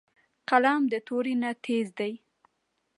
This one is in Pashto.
قلم د تورې نه تېز دی